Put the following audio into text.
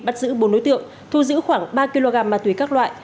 bắt giữ bốn đối tượng thu giữ khoảng ba kg ma túy các loại